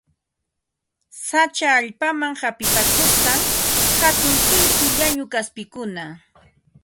Sacha allpaman hapipakusqan hatun suytu llañu kaspikuna